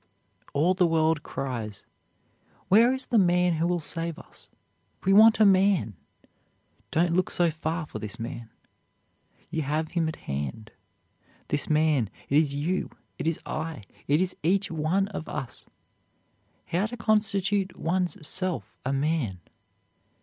All the world cries, Where is the man who will save us? We want a man! Don't look so far for this man. You have him at hand. This man, it is you, it is I, it is each one of us! ... How to constitute one's self a man?